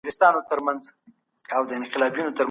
سوداګر باید خپله پانګه راکده نه کړي.